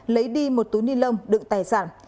lấy đi một túi ni lông đựng tài sản